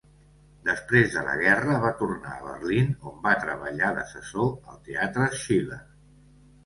Després de la guerra va tornar a Berlín on va treballar d'assessor al teatre Schiller.